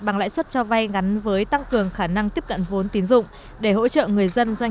bằng lãi suất cho vay ngắn với tăng cường khả năng tiếp cận vốn tín dụng để hỗ trợ người dân doanh